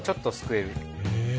え。